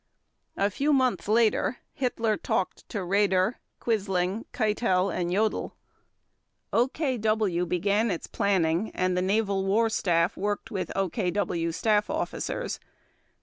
A few months later Hitler talked to Raeder, Quisling, Keitel, and Jodl; OKW began its planning and the Naval War Staff worked with OKW staff officers.